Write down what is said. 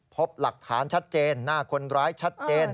พบหลักฐานชัดเจนหน้าคนร้ายชัดเจน